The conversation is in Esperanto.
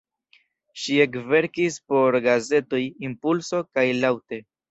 Ŝi ekverkis por gazetoj "Impulso" kaj "Laŭte".